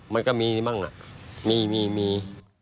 มันก็มีมั่งมีมี